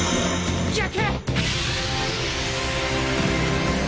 逆！